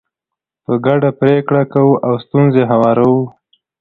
په ګډه پرېکړې کوو او ستونزې هواروو.